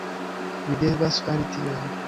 Mi devas fari tion.